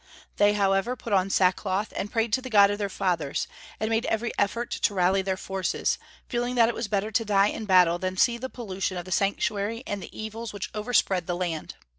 They however put on sackcloth, and prayed to the God of their fathers, and made every effort to rally their forces, feeling that it was better to die in battle than see the pollution of the Sanctuary and the evils which overspread the land.